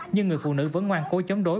nhưng người phụ nữ vẫn ngoan cố chống đối